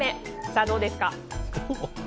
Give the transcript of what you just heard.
さあ、どうですか。